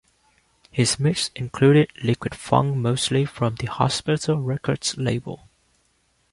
His mix included liquid funk mostly from the Hospital Records label.